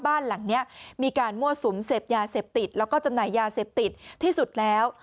บ้านหลังนี้มีการมั่วสุมเสพยาเสพติดแล้วก็จำหน่ายยาเสพติดที่สุดแล้ว